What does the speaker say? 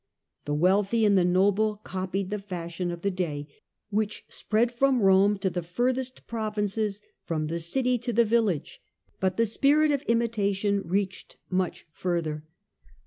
The weal The attrac thy and the noble copied the fashion of the Rom^^ which spread from Rome to the furthest culture. provinces, from the city to the village. But the spirit of imitation reached much further.